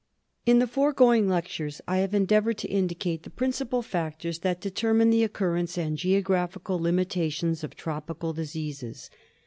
In the foregoing lectures I have endeavoured to indicate the principal factors that determine the occurrence and geographical limitations of tropical diseases.